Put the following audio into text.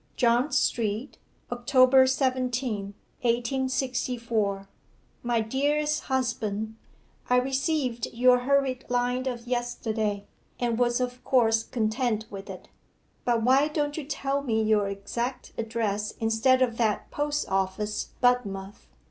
'JOHN STREET, October 17, 1864. 'MY DEAREST HUSBAND, I received your hurried line of yesterday, and was of course content with it. But why don't you tell me your exact address instead of that "Post Office, Budmouth?"